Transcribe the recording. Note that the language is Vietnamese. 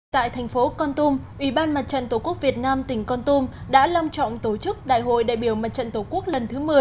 tại thành phố con tum ủy ban mặt trận tổ quốc việt nam tỉnh con tum đã lâm trọng tổ chức đại hội đại biểu mặt trận tổ quốc lần thứ một mươi